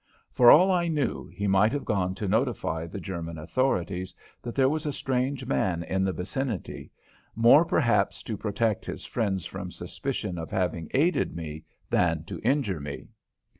For all I knew, he might have gone to notify the German authorities that there was a strange man in the vicinity more, perhaps, to protect his friends from suspicion of having aided me than to injure me.